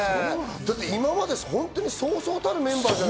今まで本当にそうそうたるメンバー。